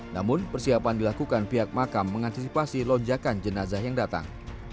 namun persiapan dilakukan pihak makam mengantisipasi lonjakan jenazah yang datang